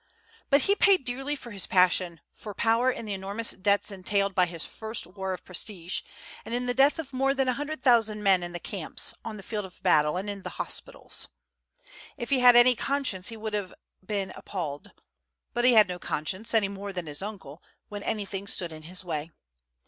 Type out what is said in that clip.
But he paid dearly for his passion for power in the enormous debts entailed by his first war of prestige, and in the death of more than a hundred thousand men in the camps, on the field of battle, and in the hospitals. If he had had any conscience he would have been appalled; but he had no conscience, any more than his uncle, when anything stood in his way.